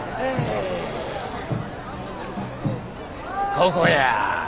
ここや。